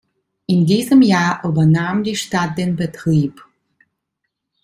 In diesem Jahr übernahm die Stadt den Betrieb.